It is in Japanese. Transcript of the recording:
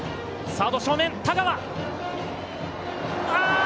サード正面、田川。